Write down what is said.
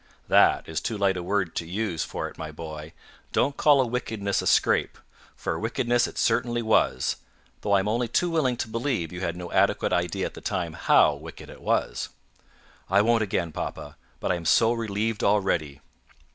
"That is too light a word to use for it, my boy. Don't call a wickedness a scrape; for a wickedness it certainly was, though I am only too willing to believe you had no adequate idea at the time how wicked it was." "I won't again, papa. But I am so relieved already."